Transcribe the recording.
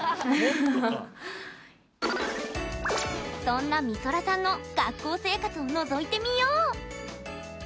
そんな、みそらさんの学校生活をのぞいてみよう！